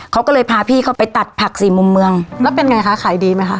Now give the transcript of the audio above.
เขาก็เลยพาพี่เขาไปตัดผักสี่มุมเมืองแล้วเป็นไงคะขายดีไหมคะ